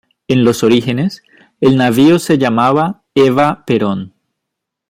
En los orígenes, el navío se llamaba Eva Perón.